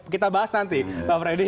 kita bahas nanti bang freddy